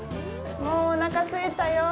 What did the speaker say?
もう、おなかすいたよ。